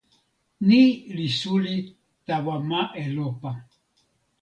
ni li suli tawa ma Elopa.